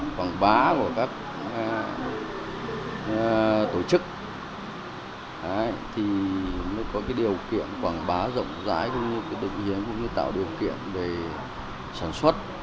khoảng bá của các tổ chức thì mới có cái điều kiện quảng bá rộng rái cũng như cái thực hiện cũng như tạo điều kiện để sản xuất